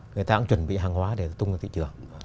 người ta cũng chuẩn bị hàng hóa để tung ra thị trường